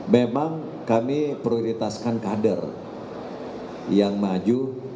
memang kami prioritaskan kader yang maju